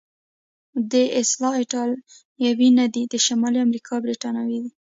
دی اصلا ایټالوی نه دی، د شمالي امریکا برتانوی دی.